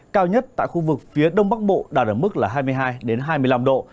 cao nhất tại khu vực phía đông bắc bộ đạt ở mức là hai mươi hai hai mươi năm độ